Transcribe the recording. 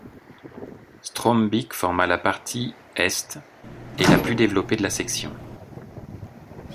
Strombeek forma la partie est et la plus développée de la section.